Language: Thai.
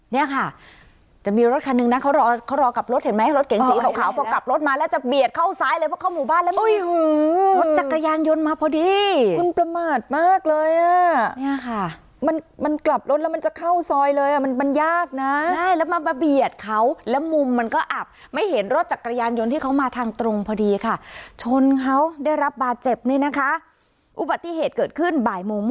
เนี่ยค่ะจะมีรถคันนึงนะเขารอกลับรถเห็นไหมรถเก๋งสีขาวพอกลับรถมาแล้วจะเบียดเข้าซ้ายเลยเพราะเข้าหมู่บ้านแล้วรถจักรยานยนต์มาพอดีคุณประมาทมากเลยอ่ะเนี่ยค่ะมันกลับรถแล้วมันจะเข้าซอยเลยอ่ะมันยากนะได้แล้วมาเบียดเขาแล้วมุมมันก็อับไม่เห็นรถจักรยานยนต์ที่เขามาทางตรงพอดีค่ะชนเขาได้รับบ